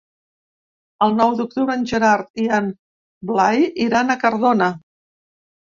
El nou d'octubre en Gerard i en Blai iran a Cardona.